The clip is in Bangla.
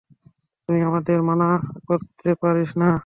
তুই আমাদের মানা করতে পারিস না।